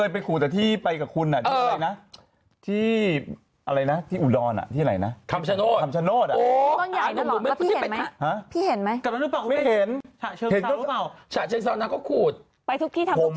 พี่เห็นไหมพี่เห็นไหมไม่เห็นฉะเชิงสาวน้ำก็ขูดไปทุกที่ทำทุกที่